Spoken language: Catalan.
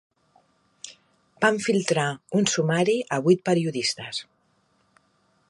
Van filtrar un sumari a vuit periodistes